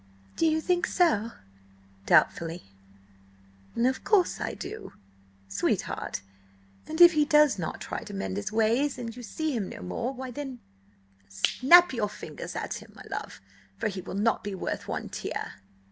"Do you think so?" doubtfully. "Of course I do, sweetheart! And if he does not try to mend his ways, and you see him no more–why then, snap your fingers at him, my love, for he will not be worth one tear!"